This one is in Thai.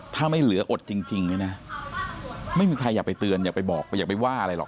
ถ้าไม่เหลืออดจริงเนี่ยนะไม่มีใครอยากไปเตือนอย่าไปบอกอย่าไปว่าอะไรหรอก